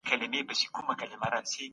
د قيامت په ورځ به د هر عمل حساب کيږي.